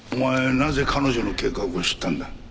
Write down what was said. なぜ彼女の計画を知ったんだ？